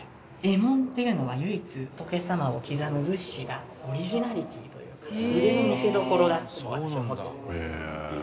衣紋っていうのは唯一仏様を刻む仏師がオリジナリティというか腕の見せどころだって私は思ってるんです。